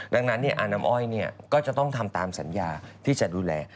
ดังนั้นอาน้ำอ้อยก็จะต้องทำตามสัญญาที่จะดูแล